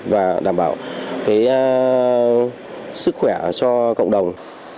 và đảm bảo sức khỏe cho cộng đồng